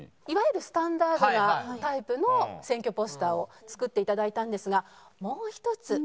いわゆるスタンダードなタイプの選挙ポスターを作って頂いたんですがもう一つ